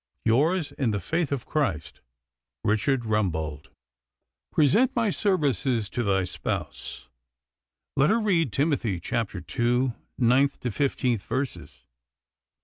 Yours in the faith of Christ, Richard Rumbold. 'Present my services to thy spouse. Let her read Timothy chapter two, ninth to fifteenth verses.